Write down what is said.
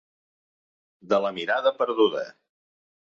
De la mirada perduda.